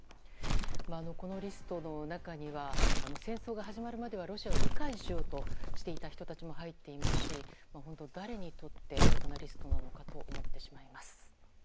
このリストの中には戦争が始まるまではロシアを理解しようと思っていた方も入っていますし本当、誰にとって得なリストなのかと思ってしまいます。